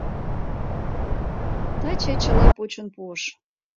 Таче чыла почын пуыш.